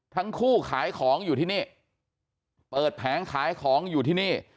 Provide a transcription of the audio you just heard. ทั้งคู่ขายของอยู่ที่นี่เปิดแผงขายของอยู่ที่นี่